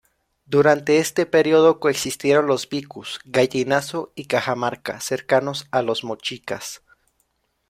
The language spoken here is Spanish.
Durante este periodo coexistieron los vicus, gallinazo y cajamarca; cercanos a los mochicas.